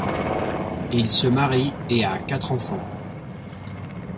Il se marie et a quatre enfants.